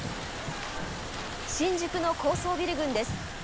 新宿の高層ビル群です。